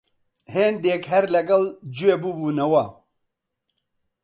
هێندێک هەر لە گەل جوێ ببوونەوە